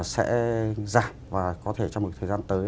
sẽ giảm và có thể trong một thời gian tới